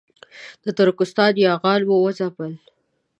د ترکستان یاغیان مو وځپل.